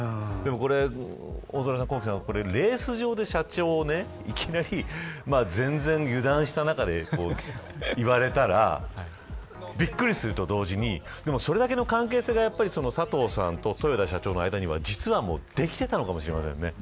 大空さん、レース場で社長がいきなり油断した中で言われたらびっくりすると同時にでも、それだけの関係性が佐藤さんと豊田社長の間には実はできていたのかもしれませんね。